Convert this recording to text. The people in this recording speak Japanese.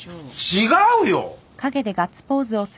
違うよ！